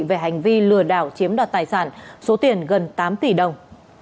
về hành vi lừa đảo chiếm đoạt tài sản số tiền gần tám tỷ đồng